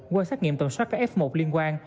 qua xét nghiệm tầm soát các f một liên quan